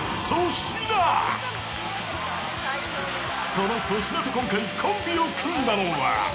［その粗品と今回コンビを組んだのは］